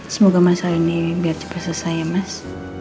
semoga mas hal ini gak cepat selesai ya mas